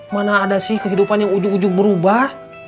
mana ada sih kehidupan yang ujung ujung berubah